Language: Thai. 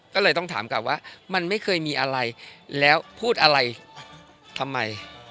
ก็เลยต้องถามกลับว่ามันไม่เคยมีอะไรแล้วพูดอะไรทำไม